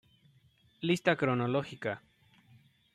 Lista cronológica